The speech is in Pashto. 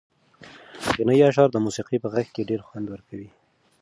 غنایي اشعار د موسیقۍ په غږ کې ډېر خوند ورکوي.